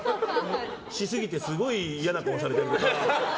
しすぎてすごいいやな顔されて。